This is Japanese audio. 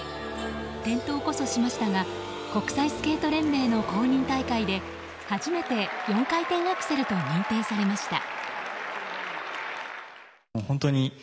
転倒こそしましたが国際スケート連盟の公認大会で初めて４回転アクセルと認定されました。